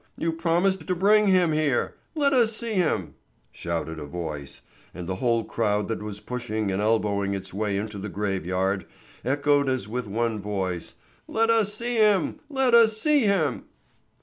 You promised to bring him here! Let us see him," shouted a voice, and the whole crowd that was pushing and elbowing its way into the graveyard echoed as with one voice: "Let us see him! let us see him!"